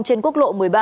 trên quốc lộ một mươi ba